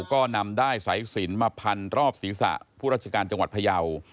ก็นำได้สายสินมาพันรอบศีรษะผู้ราชการจังหวัดพยาว